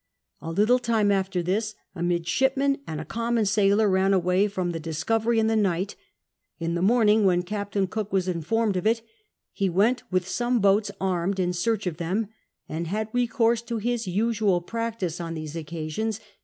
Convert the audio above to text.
A little time after this a midshipman and a common sailor ran away from the 7Xs mvmj in the night ; in the moniing, when Captain Cook was informed of it, he went with some boats armed in search of then), and had recourse to his usual practice on these occasions, viz.